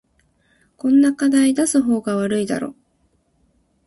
こんな課題出す方が悪いだろ